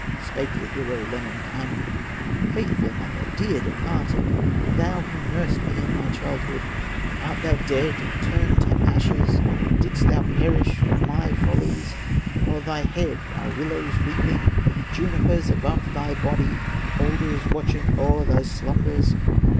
Spake the hero, Lemminkainen: "Faithful mother, dear departed, Thou who nursed me in my childhood, Art thou dead and turned to ashes, Didst thou perish for my follies, O'er thy head are willows weeping, Junipers above thy body, Alders watching o'er thy slumbers?